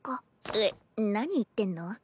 えっ何言ってんの？